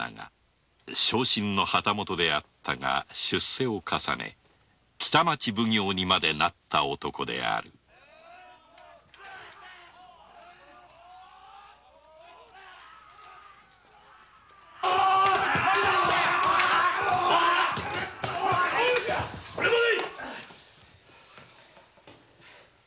小身の旗本であったが出世を重ね北町奉行にまでなった男であるようしそれまで。